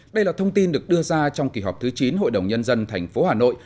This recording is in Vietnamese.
đây là thông tin được đưa ra trong kỳ họp thứ chín hội đồng nhân dân tp hà nội